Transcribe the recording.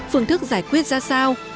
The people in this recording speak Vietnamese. phương thức giải quyết ra sao